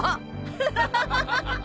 ハハハハ